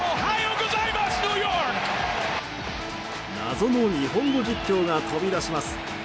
謎の日本語実況が飛び出します。